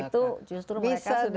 itu justru mereka sudah